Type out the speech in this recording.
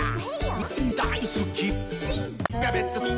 うん。